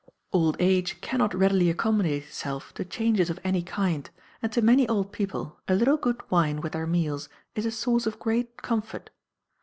Old age can not readily accommodate itself to changes of any kind, and to many old people a little good wine with their meals is a source of great comfort.